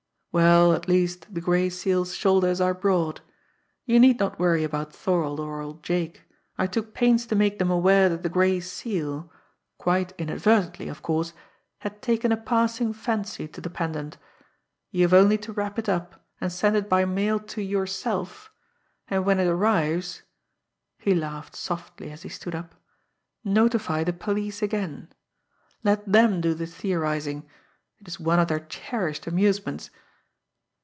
Well, at least, the Gray Seal's shoulders are broad! You need not worry about Thorold or old Jake; I took pains to make them aware that the Gray Seal quite inadvertently, of course had taken a passing fancy to the pendant. You have only to wrap it up, and send it by mail to yourself; and when it arrives" he laughed softly, as he stood up "notify the police again. Let them do the theorising it is one of their cherished amusements!